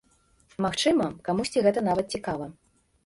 Магчыма, камусьці гэта нават цікава.